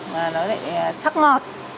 và nó lại sắc ngọt